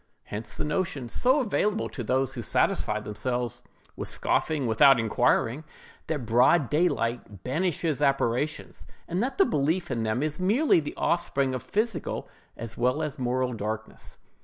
Hence the notion, so available to those who satisfy themselves with scoffing without inquiring, that broad daylight banishes apparitions, and that the belief in them is merely the offspring of physical as well as moral darkness.